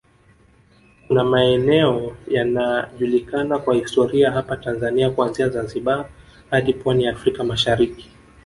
Kuna maeneo yanajulikana kwa historia hapa Tanzania kuanzia Zanzibar hadi pwani ya Afrka Mashariki